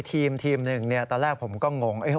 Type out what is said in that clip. ในทีม๑ตอนแรกผมก็งง